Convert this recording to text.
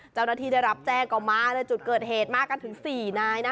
เจ้าหน้าที่ได้รับแจ้งก็มาเลยจุดเกิดเหตุมากันถึง๔นายนะ